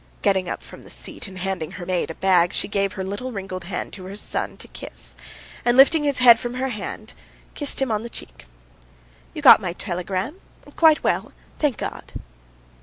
Getting up from the seat and handing her maid a bag, she gave her little wrinkled hand to her son to kiss, and lifting his head from her hand, kissed him on the cheek. "You got my telegram? Quite well? Thank God."